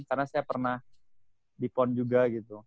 karena saya pernah di pon juga gitu